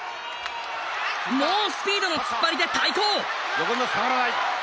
猛スピードの突っ張りで対抗！